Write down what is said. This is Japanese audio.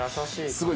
すごい！